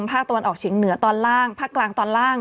ภาคตะวันออกเฉียงเหนือตอนล่างภาคกลางตอนล่าง